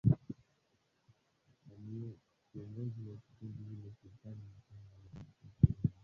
Kiongozi wa kundi hilo Sultani Makenga anaaminika kurudi Jamuhuri ya KIdemokrasia ya Kongo na baadhi ya vyombo vya habari